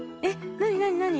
なになになに？